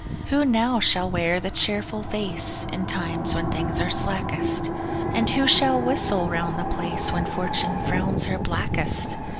Who now shall wear the cheerful face In times when things are slackest? And who shall whistle round the place When Fortune frowns her blackest?